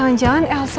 tidak ada apa apa